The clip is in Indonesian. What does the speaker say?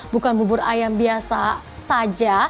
bukan bubur ayam biasa saja